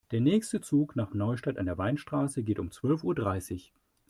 Der nächste Zug nach Neustadt an der Weinstraße geht um zwölf Uhr dreißig